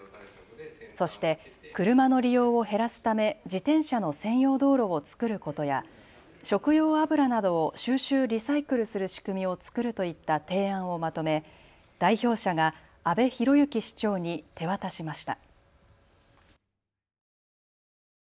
そして車の利用を減らすため自転車の専用道路を造ることや食用油などを収集・リサイクルする仕組みを作るといった提案をまとめ代表者が阿部裕行市長に手渡しました。